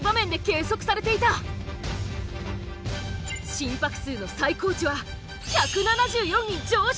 心拍数の最高値は１７４に上昇！